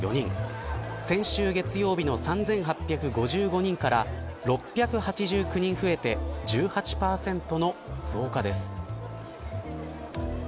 先週月曜日の３８５５人から６８９人増えていて１８％の増加です。